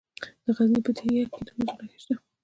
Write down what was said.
د غزني په ده یک کې د مسو نښې شته.